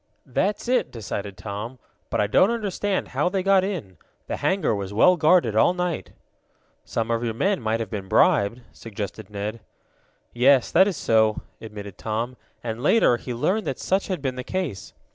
"That's it," decided Tom. "But I don't understand how they got in. The hangar was well guarded all night." "Some of your men might have been bribed," suggested Ned. "Yes, that is so," admitted Tom, and, later, he learned that such had been the case.